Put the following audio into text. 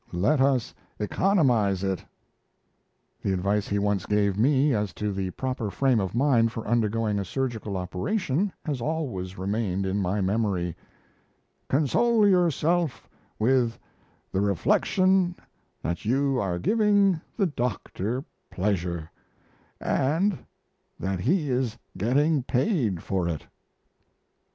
Let us economize it." The advice he once gave me as to the proper frame of mind for undergoing a surgical operation has always remained in my memory: "Console yourself with the reflection that you are giving the doctor pleasure, and that he is getting paid for it."